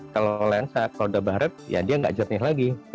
kalau lensa kalau udah barep ya dia nggak jernih lagi